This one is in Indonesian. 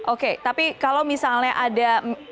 oke tapi kalau misalnya ada